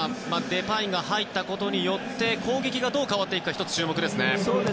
デパイが入ったことによって攻撃がどう変わっていくか１つ、注目ですね。